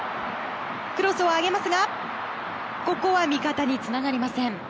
クロスを上げますがここは味方につながりません。